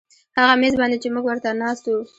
هغه میز باندې چې موږ ورته ناست وو